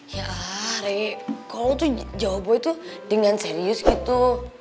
yalah rev kalau lo tuh jawab boy tuh dengan serius gitu